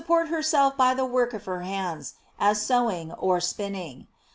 631 pert herself by the work of her hands, as sew ing or spinning.